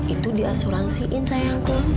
itu diasuransiin sayangku